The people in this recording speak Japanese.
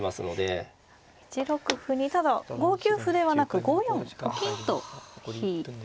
１六歩にただ５九歩ではなく５四と金と引いて。